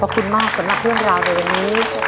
ขอบคุณมากสำหรับเรื่องราวในวันนี้